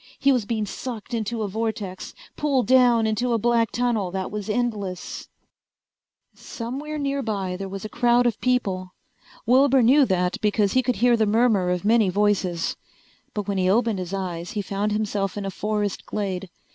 He was being sucked into a vortex, pulled down into a black tunnel that was endless. Somewhere nearby there was a crowd of people. Wilbur knew that because he could hear the murmur of many voices. But when he opened his eyes he found himself in a forest glade.